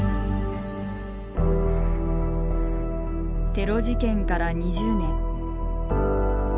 テロ事件から２０年。